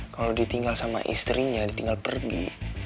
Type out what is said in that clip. kalau ditinggal sama istrinya ditinggal pergi